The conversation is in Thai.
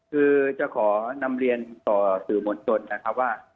คือจะขอนำเรียนต่อสาธิบรรยีโตรนะคะว่า